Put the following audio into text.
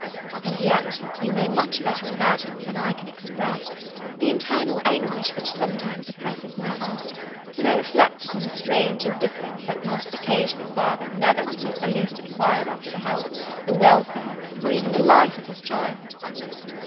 And yet, you may much better imagine, than I can express, the internal anguish which sometimes oppresses my heart, when I reflect upon the strange indifference that must occasion a father never to make the least enquiry after the health, the welfare, or even the life of his child!